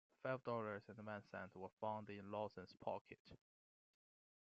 Five dollars and one cent were found in Lawson's pocket.